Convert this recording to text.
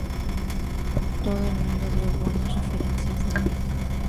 Todo el mundo dio buenas referencias de mí.